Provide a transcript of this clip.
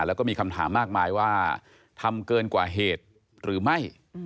แล้วก็มีคำถามมากมายว่าทำเกินกว่าเหตุหรือไม่